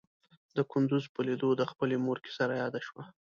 د کندوز په ليدو د خپلې مور کيسه راياده شوه.